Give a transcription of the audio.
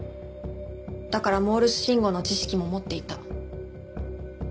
だからモールス信号の知識も持っていた。